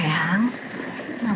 iya itu juga pas